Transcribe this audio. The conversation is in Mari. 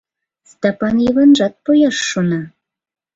Стапан Йыванжат пояш шона.